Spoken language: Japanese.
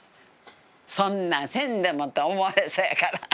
「そんなんせんでも」と思われそうやから。